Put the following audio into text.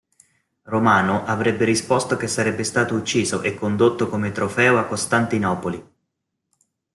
Romano avrebbe risposto che sarebbe stato ucciso e condotto come trofeo a Costantinopoli.